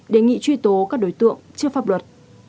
đề nghị truy tố các đối tượng trước pháp luật